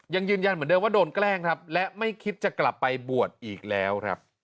ยังยืนยันเหมือนเดิมว่าโดนแกล้งครับและไม่คิดจะกลับไปบวชอีกแล้วครับ